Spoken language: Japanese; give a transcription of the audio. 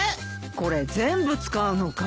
これ全部使うのかい？